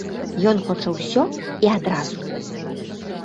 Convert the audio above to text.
Ён хоча ўсё і адразу.